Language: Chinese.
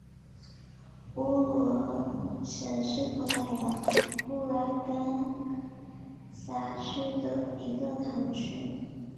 乌罗什是葡萄牙布拉干萨区的一个堂区。